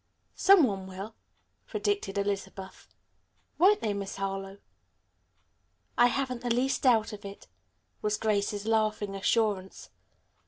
"Some one will," predicted Elizabeth. "Won't they, Miss Harlowe?" "I haven't the least doubt of it," was Grace's laughing assurance.